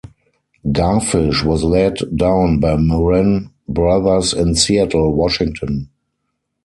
"Garfish" was laid down by Moran Brothers in Seattle, Washington.